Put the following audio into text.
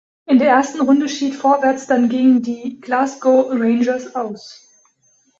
In der ersten Runde schied Vorwärts dann gegen die Glasgow Rangers aus.